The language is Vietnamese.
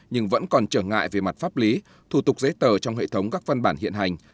nhưng vẫn còn trở ngại về mặt pháp lý thủ tục giấy tờ trong hệ thống các văn bản hiện hành